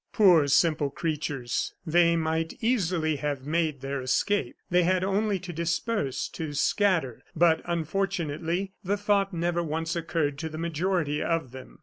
Poor simple creatures! They might easily have made their escape. They had only to disperse, to scatter; but, unfortunately, the thought never once occurred to the majority of them.